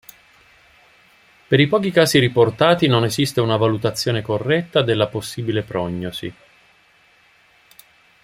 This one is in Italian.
Per i pochi casi riportati non esiste una valutazione corretta della possibile prognosi.